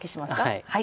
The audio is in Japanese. はい。